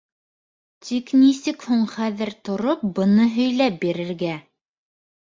Тик нисек һуң хәҙер тороп быны һөйләп бирергә?!